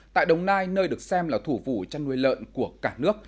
tại đồng nai nơi được xem là thủ vụ chăn nuôi lợn của cả nước